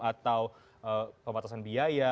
atau pembatasan biaya